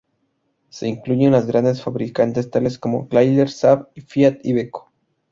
Se incluyen los grandes fabricantes, tales como Chrysler, Saab y Fiat Iveco.